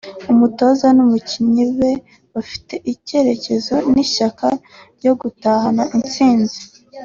umutoza n’abakinnyi be bafite icyizere n’ishyaka ry gutahana intsinzi